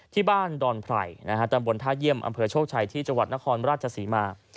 ที่บ้านดอนไพรตำบลท่าเยี่ยมอำเภอโชคชัยที่จังหวัดนครราชศรีมา